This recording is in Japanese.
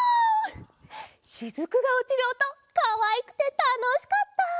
しずくがおちるおとかわいくてたのしかった。